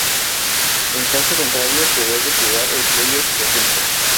En caso contrario se debe jugar el Playoff de ascenso.